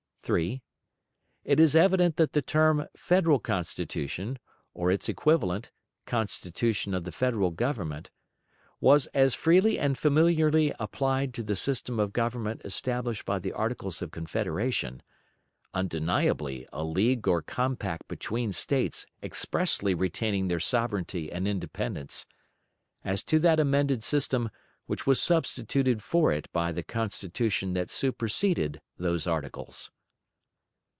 3. It is evident that the term "Federal Constitution," or its equivalent, "Constitution of the Federal Government," was as freely and familiarly applied to the system of government established by the Articles of Confederation undeniably a league or compact between States expressly retaining their sovereignty and independence as to that amended system which was substituted for it by the Constitution that superseded those articles.